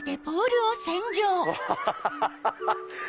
アハハハハ！